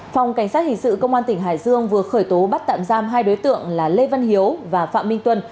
phòng cảnh sát hình sự công an tỉnh hải dương vừa khởi tố bắt tạm giam hai đối tượng là lê văn hiếu và phạm minh tuân